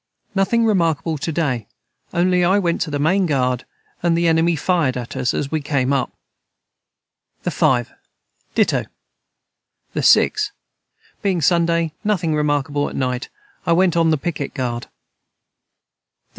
Nothing remarkable to day only I went to the main guard and the enemy fired at us as we came up. the 5. Dito. the 6. Being Sunday nothing remarkable at night I went on the piquet guard. the 7.